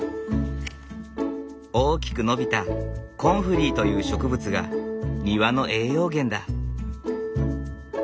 大きく伸びたコンフリーという植物が庭の栄養源だ。